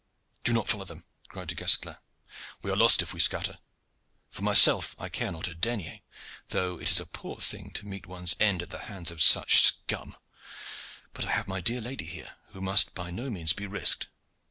"Do not follow them," cried Du Guesclin. "We are lost if we scatter. For myself I care not a denier, though it is a poor thing to meet one's end at the hands of such scum; but I have my dear lady here, who must by no means be risked.